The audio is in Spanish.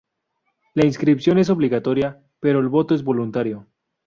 La inscripción es obligatoria, pero el voto es voluntario.